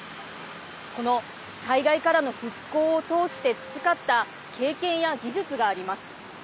この災害からの復興を通して培った、経験や技術があります。